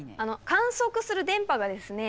観測する電波がですね